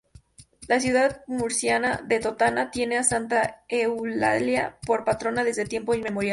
La ciudad murciana de Totana tiene a Santa Eulalia por patrona desde tiempo inmemorial.